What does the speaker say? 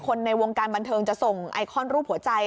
ในวงการบันเทิงจะส่งไอคอนรูปหัวใจ